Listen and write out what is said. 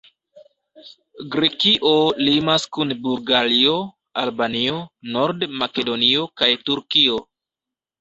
Grekio limas kun Bulgario, Albanio, Nord-Makedonio kaj Turkio.